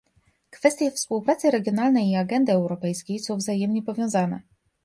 Kwestie współpracy regionalnej i agendy europejskiej są wzajemnie powiązane